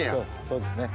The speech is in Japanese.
そうですね。